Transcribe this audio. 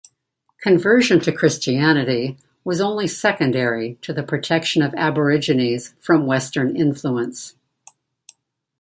Conversion to Christianity was only secondary to the protection of Aborigines from Western influence.